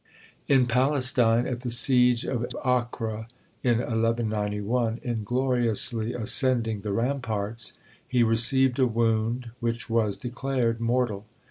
In Palestine, at the siege of Acre, in 1191, in gloriously ascending the ramparts, he received a wound, which was declared mortal.